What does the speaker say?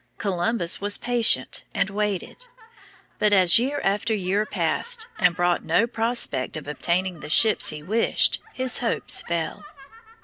Columbus was patient and waited. But as year after year passed and brought no prospect of obtaining the ships he wished, his hopes fell.